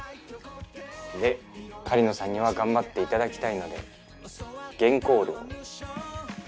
で狩野さんには頑張って頂きたいので原稿料。